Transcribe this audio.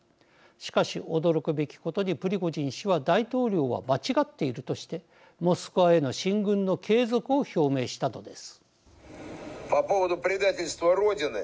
しかし驚くべきことにプリゴジン氏は大統領は間違っているとしてモスクワへの進軍の継続を表明したのです。